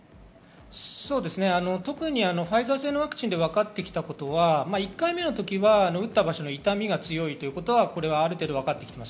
ファイザー製のワクチンではわかってきたことは、１回目の時は打った場所の痛みが強いということはある程度分かってきています。